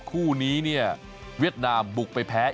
คู่นี้เนี่ยเวียดนามบุกไปแพ้